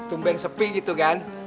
tumben sepi gitu kan